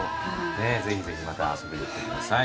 ぜひぜひまた遊びに来てください。